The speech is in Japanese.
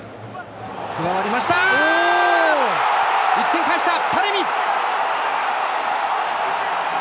１点返した！